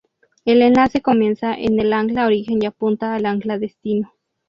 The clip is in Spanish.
El enlace comienza en el ancla origen y apunta al ancla destino.